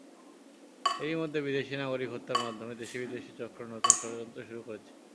এরই মধ্যে বিদেশি নাগরিক হত্যার মাধ্যমে দেশি-বিদেশি চক্র নতুন ষড়যন্ত্র শুরু করেছে।